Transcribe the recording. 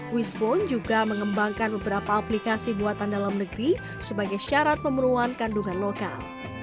wisbon juga mengembangkan beberapa aplikasi buatan dalam negeri sebagai syarat pemenuhan kandungan lokal